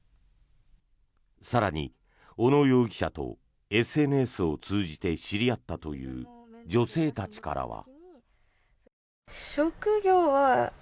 更に、小野容疑者とＳＮＳを通じて知り合ったという女性たちからは。